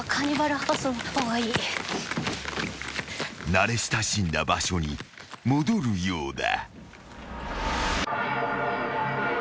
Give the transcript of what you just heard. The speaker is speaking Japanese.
［慣れ親しんだ場所に戻るようだ］